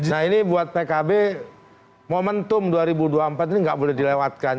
nah ini buat pkb momentum dua ribu dua puluh empat ini nggak boleh dilewatkan